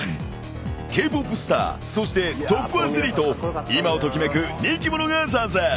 ［Ｋ−ＰＯＰスターそしてトップアスリート今を時めく人気者が参戦］